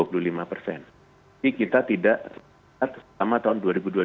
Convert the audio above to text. tapi kita tidak tetap sama tahun dua ribu dua puluh dua